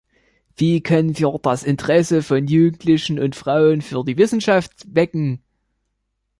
Wie können wir das Interesse von Jugendlichen und Frauen für die Wissenschaft wecken?